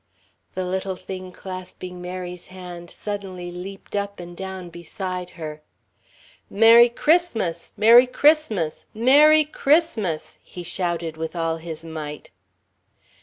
The little thing clasping Mary's hand suddenly leaped up and down beside her. "Merry Christmas! Merry Christmas! Merry Christmas!" he shouted with all his might.